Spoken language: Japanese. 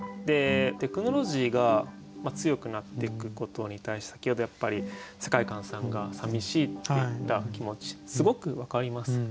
テクノロジーが強くなっていくことに対して先ほどやっぱり世界観さんがさみしいって言った気持ちすごく分かります。